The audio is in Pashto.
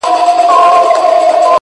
• له ستړتیا یې خوږېدی په نس کي سږی,